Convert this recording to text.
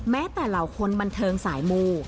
แม้แต่เหล่าคนบันเทิงสายมู